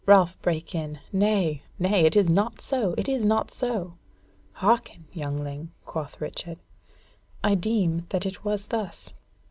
Ralph brake in: "Nay, nay, it is not so, it is not so!" "Hearken, youngling!" quoth Richard; "I deem that it was thus.